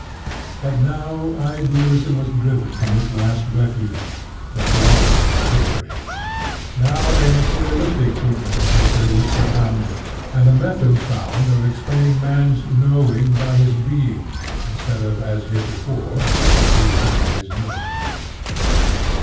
But now idealism was driven from its last refuge, the philosophy of history; now a materialistic treatment of history was propounded, and a method \k found of explaining man's " knowing " by his " being," instead of, as heretofore, his " being " by his " knowing."